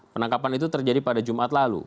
penangkapan itu terjadi pada jumat lalu